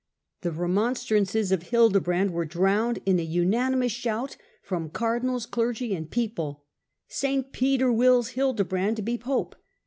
The remonstrances of Hildebrand were drowned in a unanimous shout from cardinals, clergy, and people, ' St. Peter wills Hildebrand to be Pope.'